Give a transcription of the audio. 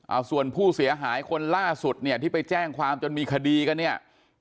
เอาส่วนผู้เสียหายคนล่าสุดเนี่ยที่ไปแจ้งความจนมีคดีกันเนี่ย